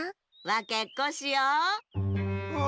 わけっこしよう。